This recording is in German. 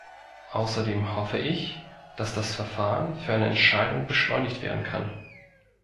Außerdem hoffe ich, dass das Verfahren für eine Entscheidung beschleunigt werden kann.